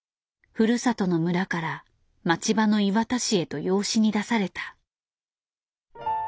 ふるさとの村から町場の磐田市へと養子に出された。